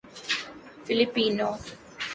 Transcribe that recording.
Filipino